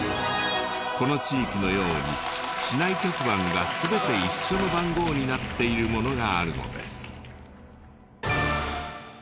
この地域のように市内局番が全て一緒の番号になっているものがあるのです。